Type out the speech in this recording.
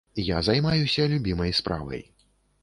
Я займаюся любімай справай.